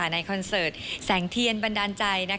คอนเสิร์ตแสงเทียนบันดาลใจ